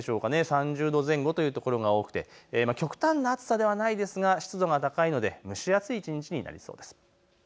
３０度前後という所が多くて極端な暑さではないですが湿度が高いので蒸し暑い一日になりそうです。